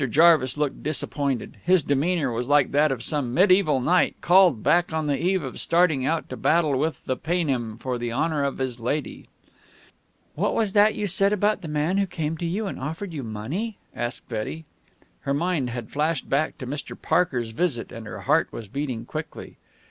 Jarvis looked disappointed. His demeanor was like that of some mediaeval knight called back on the eve of starting out to battle with the Paynim for the honor of his lady. "What was that you said about the man who came to you and offered you money?" asked Betty. Her mind had flashed back to Mr. Parker's visit, and her heart was beating quickly.